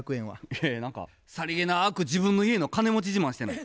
いやいや何かさりげなく自分の家の金持ち自慢してない？